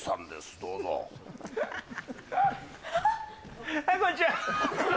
どうぞはいこんにちは